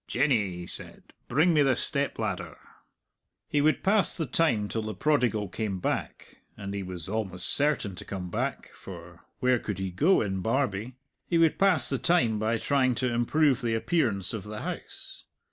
"Jenny," he said, "bring me the step ladder." He would pass the time till the prodigal came back and he was almost certain to come back, for where could he go in Barbie? he would pass the time by trying to improve the appearance of the house.